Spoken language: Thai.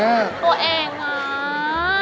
ตัวเอง